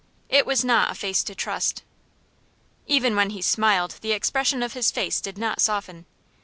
It was not a face to trust. Even when he smiled the expression of his face did not soften.